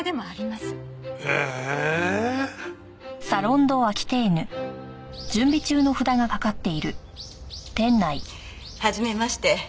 ええ！はじめまして。